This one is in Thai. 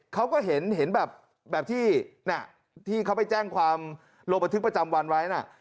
เขาก็เห็นแบบที่เขาไปแจ้งความลงบันทึกประจำวันไว้นะ